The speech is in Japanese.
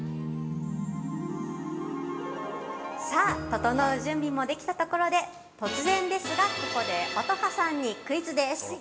◆さあ、ととのう準備もできたところで、突然ですが、ここで乙葉さんにクイズです。